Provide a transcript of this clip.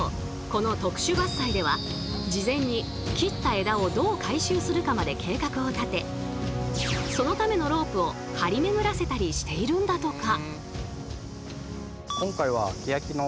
この特殊伐採では事前に切った枝をどう回収するかまで計画を立てそのためのロープを張り巡らせたりしているんだとか。